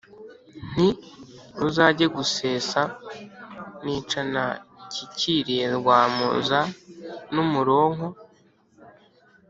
nti: Buzajye gusesa nicana, nshyikiliye Rwamuza n’umuronko